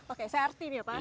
oke saya arti nih ya pak